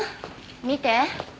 見て。